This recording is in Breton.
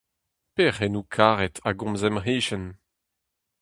Pe c'henoù karet a gomz em c'hichen ?